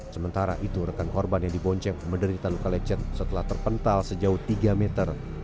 sementara itu rekan korban yang dibonceng menderita luka lecet setelah terpental sejauh tiga meter